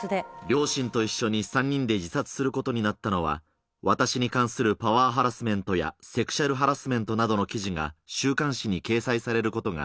両親と一緒に３人で自殺することになったのは、私に関するパワーハラスメントや、セクシャルハラスメントなどの記事が週刊誌に掲載されることが、